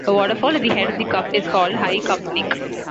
A waterfall at the head of the Cup is called High Cup Nick.